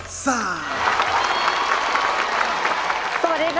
ซูซูซ่าซ่ายกกุยยกซ่าออกมาซูซู